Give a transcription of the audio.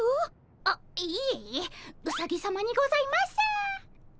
あっいえいえうさぎさまにございます！